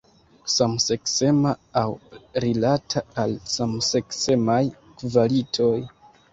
Samseksema aŭ rilata al samseksemaj kvalitoj.